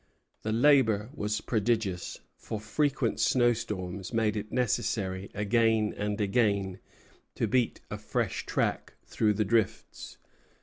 The labor was prodigious; for frequent snowstorms made it necessary again and again to beat a fresh track through the drifts.